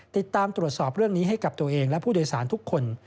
ติดตามตรวจสอบเรื่องนี้ให้กับตัวเองและผู้โดยสารทุกคน